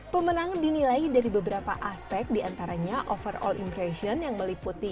pemenang dinilai dari beberapa aspek diantaranya overall impression yang meliputi